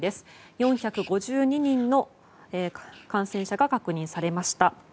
４５２人の感染者が確認されました。